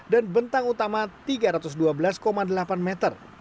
dan bentang utama tiga ratus dua belas delapan meter